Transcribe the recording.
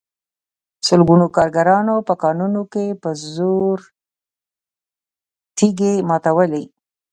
سلګونو کارګرانو په کانونو کې په زور تېږې ماتولې